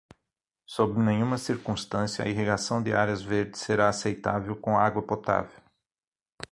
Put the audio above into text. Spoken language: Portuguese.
Sob nenhuma circunstância a irrigação de áreas verdes será aceitável com água potável.